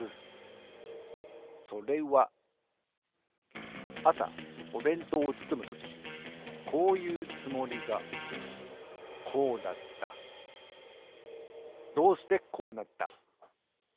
それはあさおべんとうをつつむときこういうつもりがこうだったどうしてこうなった？